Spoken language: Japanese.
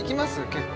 結構。